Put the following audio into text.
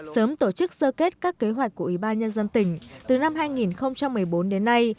sớm tổ chức sơ kết các kế hoạch của ủy ban nhân dân tỉnh từ năm hai nghìn một mươi bốn đến nay